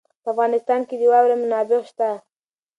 په افغانستان کې د واوره منابع شته.